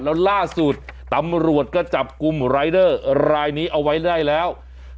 แล้วล่าสุดตำรวจก็จับกลุ่มรายเดอร์รายนี้เอาไว้ได้แล้ว